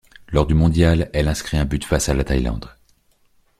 Lors du mondial, elle inscrit un but face à la Thaïlande.